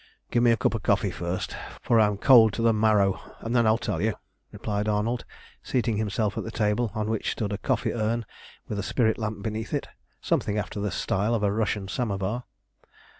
"Give me a cup of coffee first, for I am cold to the marrow, and then I'll tell you," replied Arnold, seating himself at the table, on which stood a coffee urn with a spirit lamp beneath it, something after the style of a Russian samovar.